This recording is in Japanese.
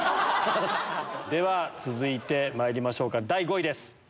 では続いてまいりましょうか第５位です。